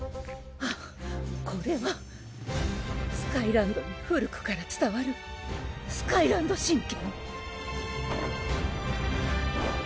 あっこれはスカイランドに古くからつたわるスカイランド神拳！